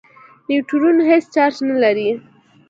نیوټرون هېڅ چارج نه لري.